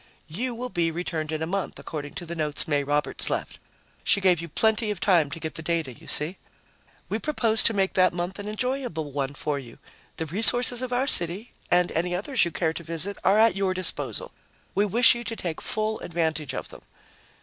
"You will be returned in a month, according to the notes May Roberts left. She gave you plenty of time to get the data, you see. We propose to make that month an enjoyable one for you. The resources of our city and any others you care to visit are at your disposal. We wish you to take full advantage of them."